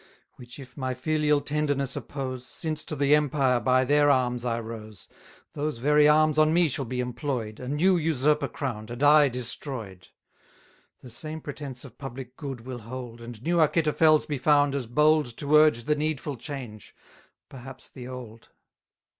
Which, if my filial tenderness oppose, 150 Since to the empire by their arms I rose, Those very arms on me shall be employ'd, A new usurper crown'd, and I destroy'd: The same pretence of public good will hold, And new Achitophels be found as bold To urge the needful change perhaps the old.